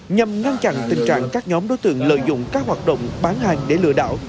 nhằm ngăn chặn tình trạng các nhóm đối tượng lợi dụng các hoạt động bán hàng để lừa đảo